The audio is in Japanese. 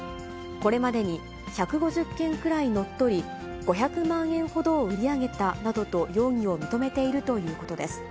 これまでに１５０件くらい乗っ取り、５００万円ほどを売り上げたなどと容疑を認めているということです。